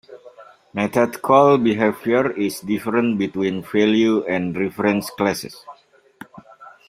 Method call behavior is different between value and reference classes.